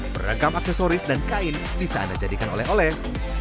beragam aksesoris dan kain bisa anda jadikan oleh oleh